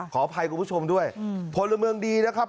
ขอไภกับผู้ชมด้วยอืมผลเมืองดีนะครับ